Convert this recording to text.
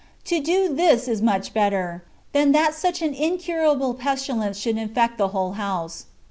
To do this is much better, than that such an incurable pestilence should infect the whole house.